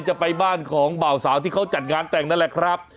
จะไปบ้านของบ่าวสาวที่เขาจัดงานแต่งนั่นแหละครับ